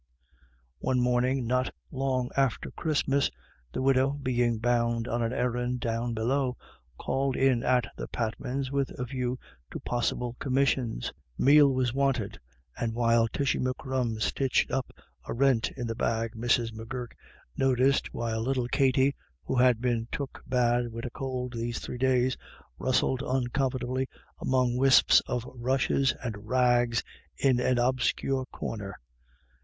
One morning not long after Christmas, the widow, being bound on an errand down below, called in at the Patmans' with a view to possible commissions: Meal was wanted, and while Tishy M'Crum stitched up a rent in the bag Mrs. M'Gurk noticed where little Katty, who had been "took bad wid a could these three days," rustled uncom fortably among wisps of rushes and rags in an obscure corner.